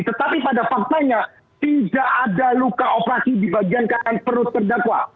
tetapi pada faktanya tidak ada luka operasi di bagian kanan perut terdakwa